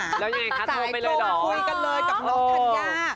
แล้วยังไงคะโทรไปเลยหรอสายโตงมาคุยกันเลยกับน้องธันนยา